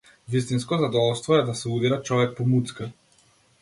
Вистинско задоволство е да се удира човек по муцка!